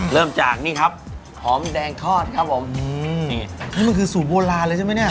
เริ่มจากนี่ครับหอมแดงทอดครับผมนี่มันคือสูตรโบราณเลยใช่ไหมเนี่ย